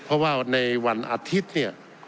เพราะว่าในวันอาทิตย์เนี่ย